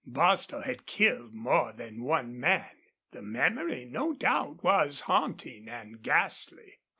Bostil had killed more than one man. The memory, no doubt, was haunting and ghastly.